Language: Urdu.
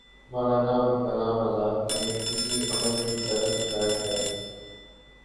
مولانا ابوالکلام آزاد نے اسی امر کی طرف اشارہ کیا تھا۔